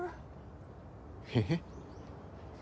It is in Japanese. えっ？